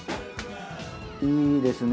いいですね！